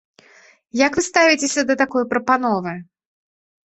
Як вы ставіцеся да такой прапановы?